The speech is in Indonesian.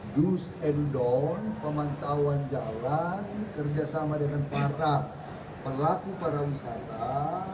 do and don pemantauan jalan kerjasama dengan para pelaku para wisata